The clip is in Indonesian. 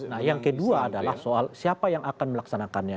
nah yang kedua adalah soal siapa yang akan melaksanakannya